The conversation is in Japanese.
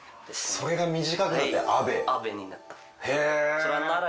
それが短くなって「あべ」。